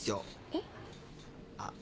えっ？あっ。